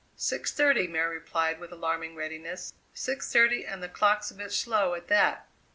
"Six thirty," Mary replied with alarming readiness. "Six thirty, and the clock's a bit slow at that."